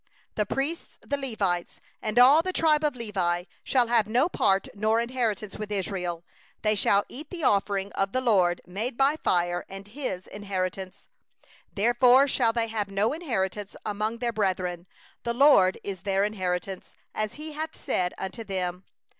The priests the Levites, even all the tribe of Levi, shall have no portion nor inheritance with Israel; they shall eat the offerings of the LORD made by fire, and His inheritance. 2And they shall have no inheritance among their brethren; the LORD is their inheritance, as He hath spoken unto them.